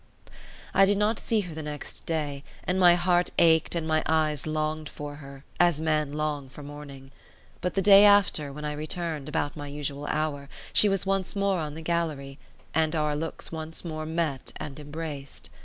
I did not see her the next day, and my heart ached and my eyes longed for her, as men long for morning. But the day after, when I returned, about my usual hour, she was once more on the gallery, and our looks once more met and embraced.